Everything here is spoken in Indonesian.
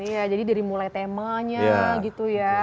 iya jadi dari mulai temanya gitu ya